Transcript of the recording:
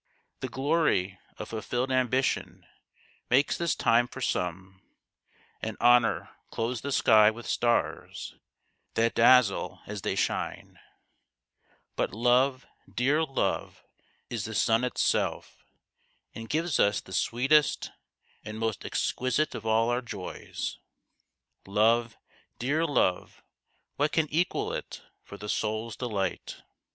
The glory of fulfilled ambition makes this time for some, and Honour clothes the sky with stars that dazzle as they shine ; but Love, dear Love, is the sun itself and gives us the sweetest and most exquisite of all our joys. Love, dear Love ! what can equal it for the soul's delight